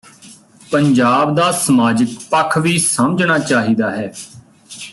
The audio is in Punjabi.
ਪੰਜਾਬ ਦਾ ਸਮਾਜਿਕ ਪੱਖ ਵੀ ਸਮਝਣਾ ਚਾਹੀਦਾ ਹੈ